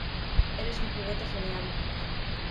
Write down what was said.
¡ Eres un juguete genial!